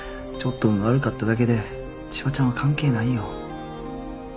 ちょっと運悪かっただけで千葉ちゃんは関係ないよ。